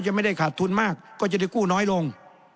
ไม่ได้ขาดทุนมากก็จะได้กู้น้อยลง